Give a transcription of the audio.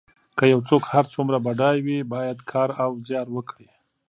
که یو څوک هر څومره بډای وي باید کار او زیار وکړي.